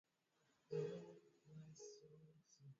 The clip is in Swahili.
Suala hili liliwalazimu kukimbia kambi zao na kuingia Uganda na Rwanda